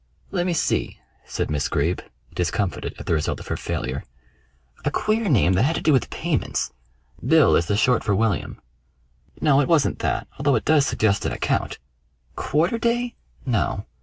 "Let me see," said Miss Greeb, discomfited at the result of her failure. "A queer name that had to do with payments. Bill as the short for William. No, it wasn't that, although it does suggest an account. Quarterday? No.